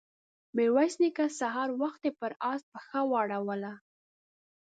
ميرويس نيکه سهار وختي پر آس پښه واړوله.